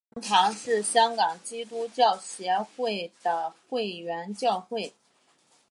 香港佑宁堂是香港基督教协进会的会员教会。